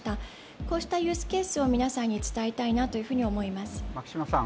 こうしたユースケースを皆さんに伝えたいなと思います。